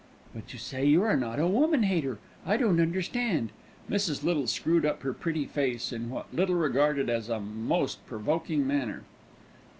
"But you say you are not a woman hater; I don't understand." Mrs. Little screwed up her pretty face in what Little regarded as a most provoking manner.